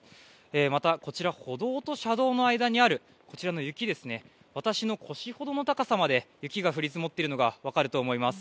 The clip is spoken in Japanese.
また、こちらの歩道と車道の間にある雪ですが私の腰ぐらいの高さまで雪が降り積もっているのが分かると思います。